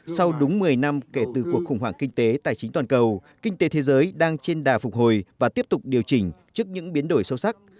sau đúng một mươi năm kể từ cuộc khủng hoảng kinh tế tài chính toàn cầu kinh tế thế giới đang trên đà phục hồi và tiếp tục điều chỉnh trước những biến đổi sâu sắc